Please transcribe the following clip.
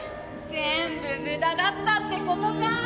「全部無駄だったってことか」。